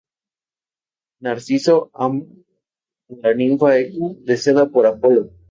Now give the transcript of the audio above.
Narciso ama a la ninfa Eco, deseada por Apolo.